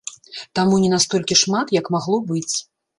Таму не настолькі шмат, як магло быць.